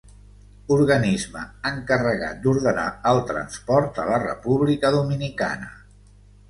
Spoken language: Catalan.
Organisme encarregat d'ordenar el transport a la República Dominicana.